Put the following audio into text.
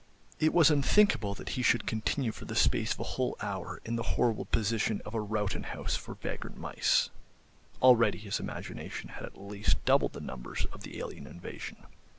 It was unthinkable that he should continue for the space of a whole hour in the horrible position of a Rowton House for vagrant mice (already his imagination had at least doubled the numbers of the alien invasion).